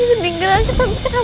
apa yang tersalin lagianten ime nya